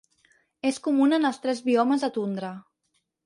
És comuna en els tres biomes de tundra.